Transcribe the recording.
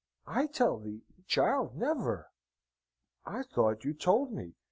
"I tell thee, child? never." "I thought you told me.